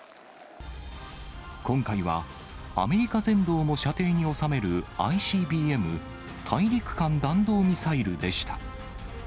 今回はアメリカ全土をも射程に収めるＩＣＢＭ・大陸間弾道ミサイルでした。